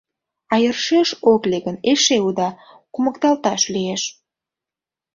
А йӧршеш ок лий гын — эше уда: кумыкталташ лиеш.